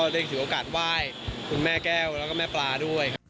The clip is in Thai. ได้ถือโอกาสไหว้คุณแม่แก้วแล้วก็แม่ปลาด้วยครับ